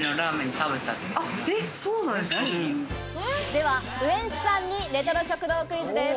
では、ウエンツさんにレトロ食堂クイズです。